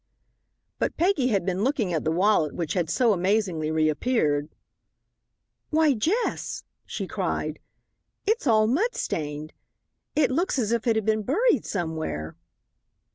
But Peggy had been looking at the wallet which had so amazingly reappeared. "Why, Jess," she cried, "it's all mud stained. It looks as if it had been buried somewhere."